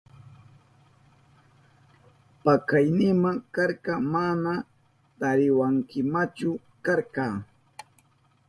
Pakaynima karka, mana tariwankimachu karka.